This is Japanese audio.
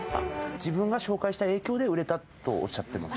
自分が紹介した影響で売れたとおっしゃってます？